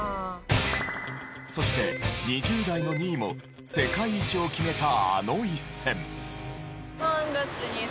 そして２０代の２位も世界一を決めたあの一戦。